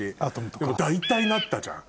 でも大体なったじゃん